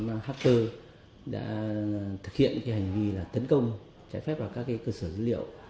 mạng hacker đã thực hiện hành vi tấn công trái phép vào các cơ sở dữ liệu